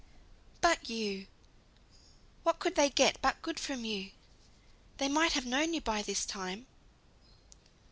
"But you, what could they get but good from you? They might have known you by this time."